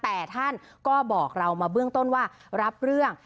แต่ท่านก็บอกเรามาเบื้องต้นว่ารับเรื่อง